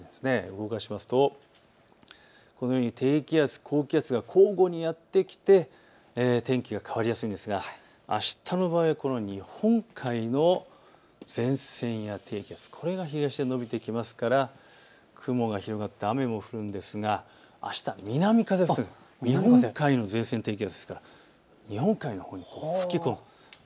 動かすと低気圧、高気圧が交互にやって来て天気が変わりやすいんですがあしたの場合は日本海の前線や低気圧これが東へ延びてくるので雲が広がって雨も降るんですがあした南風が吹く、日本海のほうに吹き込む。